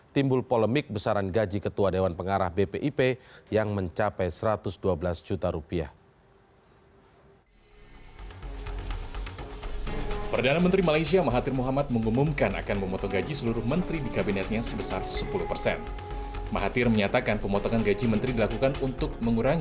timbul polemik besaran gaji ketua dewan pengarah bpip yang mencapai satu ratus dua belas juta rupiah